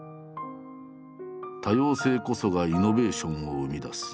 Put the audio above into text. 「多様性こそがイノベーションを生み出す」。